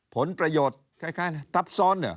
ผลประโยชน์คล้ายทับซ้อนเหรอ